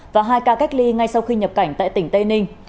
và hai ca cách ly ngay sau khi nhập cảnh tại tỉnh tây ninh